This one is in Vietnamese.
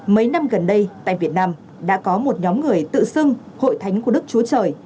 mấy năm gần đây tại việt nam đã có một nhóm người tự xưng hội thánh của đức chúa trời